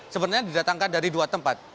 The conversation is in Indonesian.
sebenarnya didatangkan dari dua tempat